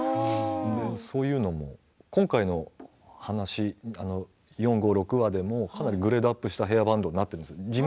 そういうのも、今回の話４、５、６話でもかなりグレードアップしたヘアバンドになってるんです。